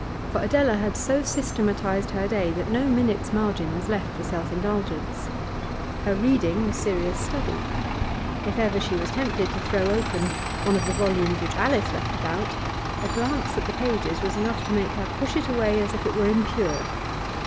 For Adela had so systematised her day that no minute's margin was left for self indulgence. Her reading was serious study. If ever she was tempted to throw open one of the volumes which Alice left about, a glance at the pages was enough to make her push it away as if it were impure.